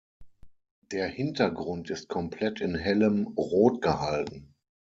Der Hintergrund ist komplett in hellem Rot gehalten.